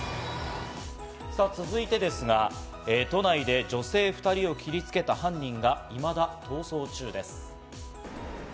続いてですが、都内で女性２人を傷付けた犯人が、いまだ逃走中です。